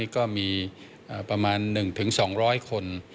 ก็มีประมาณ๑๒๐๐คน